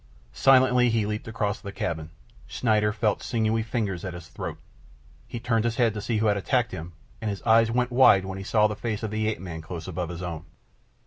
Silently he leaped across the cabin. Schneider felt sinewy fingers at his throat. He turned his head to see who had attacked him, and his eyes went wide when he saw the face of the ape man close above his own.